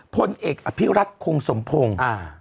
พลเอกอภิรัตคงสมพงศ์